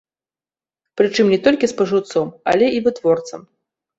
Прычым не толькі спажыўцом, але і вытворцам.